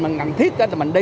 mình ăn thiết